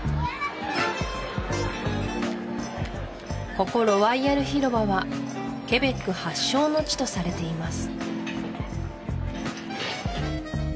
ここロワイヤル広場はケベック発祥の地とされています